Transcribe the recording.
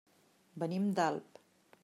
Venim d'Alp.